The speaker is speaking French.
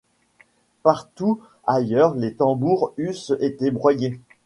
Partout ailleurs les tambours eussent été broyés.